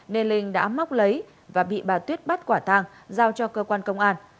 nên linh đã móc lấy và bị bà tuyết bắt quả tang giao cho cơ quan công an